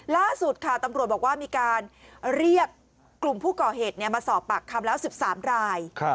ล่าสุดค่ะตำรวจบอกว่ามีการเรียกกลุ่มผู้ก่อเหตุมาสอบปากคำแล้ว๑๓ราย